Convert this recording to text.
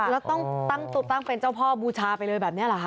แล้วต้องตั้งตัวตั้งเป็นเจ้าพ่อบูชาไปเลยแบบนี้เหรอคะ